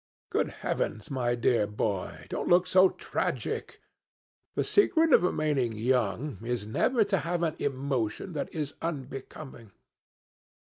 Good heavens, my dear boy, don't look so tragic! The secret of remaining young is never to have an emotion that is unbecoming.